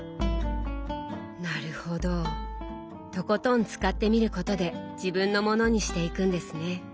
なるほどとことん使ってみることで自分のものにしていくんですね。